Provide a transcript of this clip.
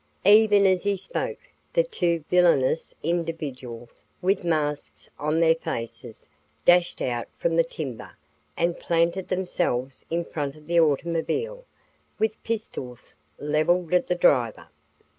Even as he spoke, the two villainous individuals, with masks on their faces, dashed out from the timber and planted themselves in front of the automobile, with pistols leveled at the driver.